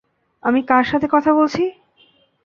আমি কার সাথে কথা বলছি?